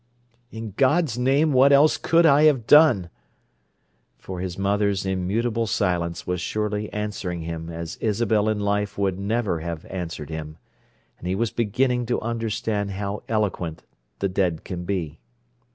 "In God's name, what else could I have done?" For his mother's immutable silence was surely answering him as Isabel in life would never have answered him, and he was beginning to understand how eloquent the dead can be.